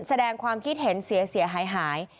แสดงความคิดเห็นเสียหาย